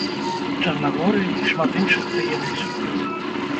Чарнагорыі і шмат іншых прыемных сюрпрызаў.